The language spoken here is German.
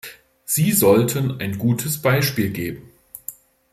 Sie sollten ein gutes Beispiel geben.